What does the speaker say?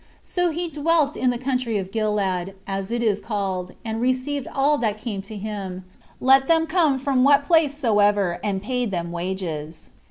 So he dwelt in the country of Gilead, as it is called, and received all that came to him, let them come from what place soever, and paid them wages.